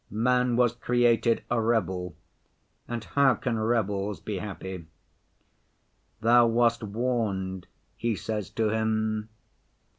Man was created a rebel; and how can rebels be happy? Thou wast warned,' he says to Him.